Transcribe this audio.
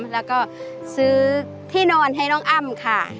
แล้วก็ซื้อที่นอนให้น้องอ้ำค่ะ